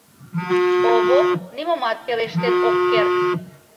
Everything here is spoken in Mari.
Овоп нимомат пелештен ок керт.